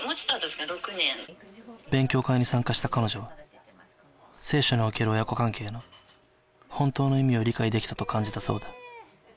１９９６年勉強会に参加した彼女は聖書における親子関係の本当の意味を理解できたと感じたそうだ